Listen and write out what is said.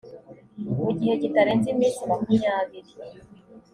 mu gihe kitarenze iminsi makumyabiri